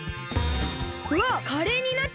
うわっカレーになっちゃった！